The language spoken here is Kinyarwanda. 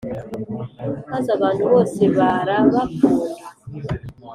maze abantu bose barabakunda.